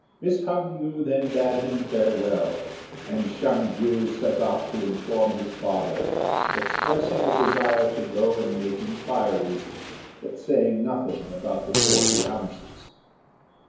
Miss Hung yü then bade him farewell, and Hsiang ju went off to inform his father, expressing a desire to go and make inquiries, but saying nothing about the forty ounces.